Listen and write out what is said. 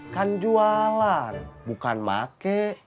kan jualan bukan make